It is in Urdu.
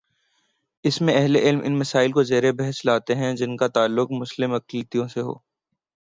اس میں اہل علم ان مسائل کو زیر بحث لاتے ہیں جن کا تعلق مسلم اقلیتوں سے ہے۔